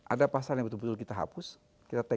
ada pasal yang betul betul kita hapus kita take out dua pasal